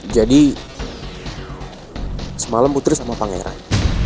jadi semalam gue terus sama pangeran